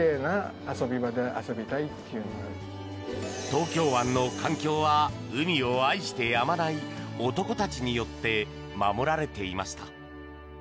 東京湾の環境は海を愛してやまない男たちによって守られていました。